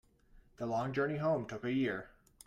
The long journey home took a year.